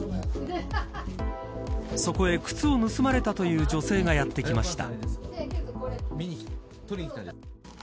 そこへ靴を盗まれたという女性がやって来ました。